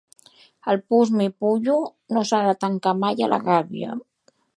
El pushmi-pullyu no s'ha de tancar mai a la gàbia.